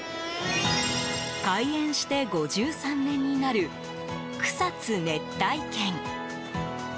開園して５３年になる草津熱帯圏。